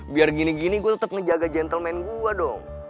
biar gini gini gue tetap ngejaga gentleman gue dong